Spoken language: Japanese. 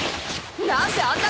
何であんな